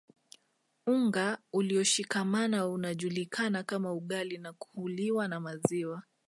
Unga ulioshikamana unajulikana kama ugali na huliwa na maziwa